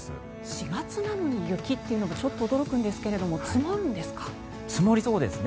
４月なのに雪というのがちょっと驚くんですが積もりそうですね。